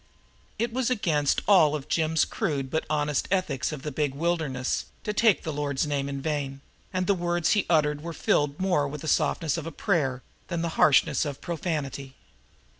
It was against all of Jim's crude but honest ethics of the big wilderness to take the Lord's name in vain, and the words he uttered were filled more with the softness of a prayer than the harshness of profanity.